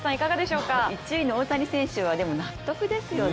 １位の大谷選手は納得ですよね。